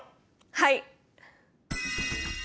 はい！